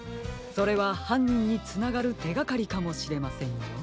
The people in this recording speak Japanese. それははんにんにつながるてがかりかもしれませんよ。